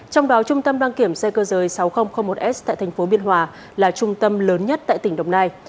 trong đó trung tâm đăng kiểm xe cơ giới sáu nghìn một s tại thành phố biên hòa là trung tâm lớn nhất tại tỉnh đồng nai